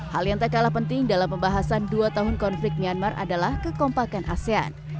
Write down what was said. hal yang tak kalah penting dalam pembahasan dua tahun konflik myanmar adalah kekompakan asean